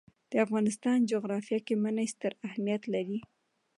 د افغانستان جغرافیه کې منی ستر اهمیت لري.